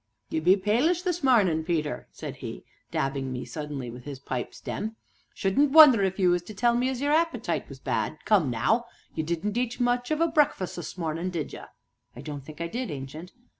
"Ye be palish this marnin', Peter!" said he, dabbing at me suddenly with his pipe stem; "shouldn't wonder if you was to tell me as your appetite was bad; come now ye didn't eat much of a breakfus' this marnin', did ye?" "I don't think I did, Ancient."